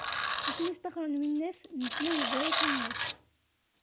Asmi i sṭaxren winnat, nesla yebra i tinnat.